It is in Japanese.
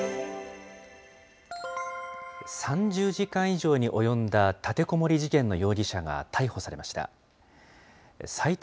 ３０時間以上に及んだ立てこもり事件の容疑者が逮捕されました。